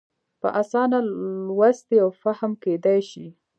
په اسانه لوستی او فهم کېدای شي.